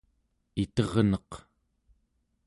iterneq